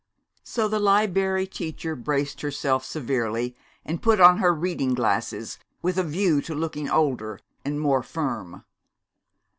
So the Liberry Teacher braced herself severely, and put on her reading glasses with a view to looking older and more firm.